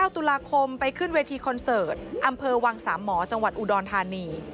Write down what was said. ๙ตุลาคมไปขึ้นเวทีคอนเสิร์ตอำเภอวังสามหมอจังหวัดอุดรธานี